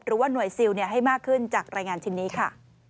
หรือว่าหน่วยซิลให้มากขึ้นจากรายงานชิ้นนี้ค่ะ